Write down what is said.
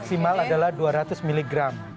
maksimal adalah dua ratus miligram